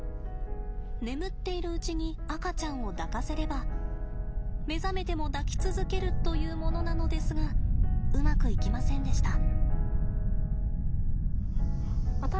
眠っているうちに赤ちゃんを抱かせれば目覚めても抱き続けるというものなのですがうまくいきませんでした。